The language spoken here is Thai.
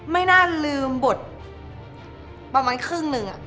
ไม่น่าลืมบทประมาณครึ่งหนึ่ง